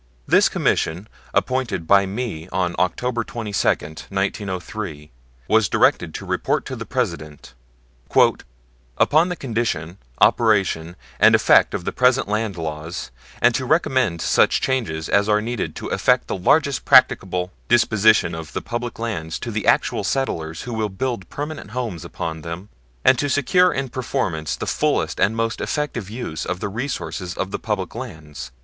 This Commission, appointed by me on October 22, 1903, was directed to report to the President: "Upon the condition, operation, and effect of the present land laws, and to recommend such changes as are needed to effect the largest practicable disposition of the public lands to actual settlers who will build permanent homes upon them, and to secure in permanence the fullest and most effective use of the resources of the public lands."